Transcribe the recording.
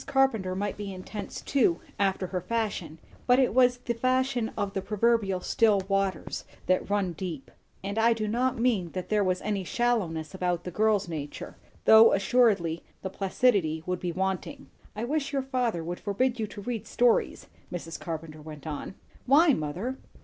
Carpenter might be intense too, after her fashion; but it was the fashion of the proverbial still waters that run deep. And I do not mean that there was any shallowness about the girl's nature; though assuredly the placidity would be wanting. "I wish your father would forbid you to read stories," Mrs. Carpenter went on. "Why, mother?"